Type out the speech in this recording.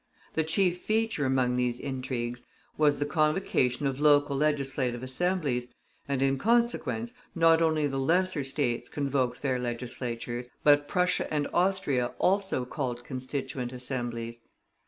The chief feature among these intrigues was the convocation of local Legislative Assemblies, and in consequence, not only the lesser States convoked their legislatures, but Prussia and Austria also called constituent assemblies.